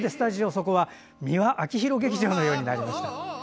そこは美輪明宏劇場になりました。